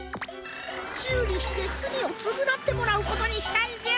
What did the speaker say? しゅうりしてつみをつぐなってもらうことにしたんじゃ。